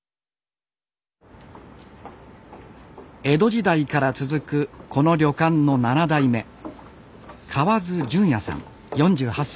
江戸時代から続くこの旅館の７代目